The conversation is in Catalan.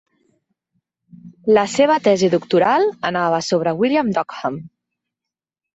La seva tesi doctoral anava sobre William d'Ockham.